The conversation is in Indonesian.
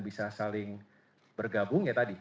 bisa saling bergabung ya tadi